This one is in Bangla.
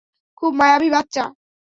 খুব মায়াবি বাচ্চা।